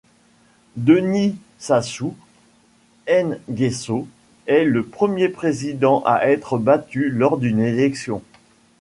Denis Sassou Nguesso est le premier président à être battu lors d'une élection.